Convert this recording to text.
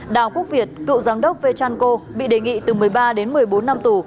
đào quốc việt cựu giám đốc vê trăn cô bị đề nghị từ một mươi ba một mươi bốn năm tù